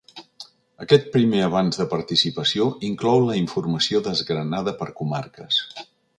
Aquest primer avanç de participació inclou la informació desgranada per comarques.